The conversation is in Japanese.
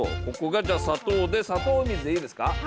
ここが砂糖で砂糖水でいいですか？